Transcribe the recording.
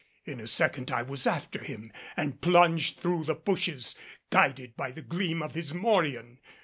In a second I was after him and plunged through the bushes guided by the gleam of his morion.